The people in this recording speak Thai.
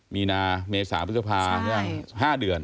มีนาเมษาพฤษภา๕เดือน